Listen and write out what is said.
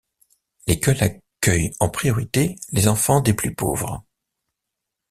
L’école accueille en priorité les enfants des plus pauvres.